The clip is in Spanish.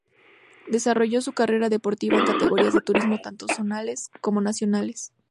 Desarrolló su carrera deportiva en categorías de turismo tanto zonales, cono nacionales.